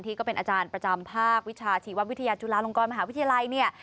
ก็เป็นอาจารย์ประจำภาควิชาชีววิทยาจุฬาลงกรมหาวิทยาลัยเนี่ย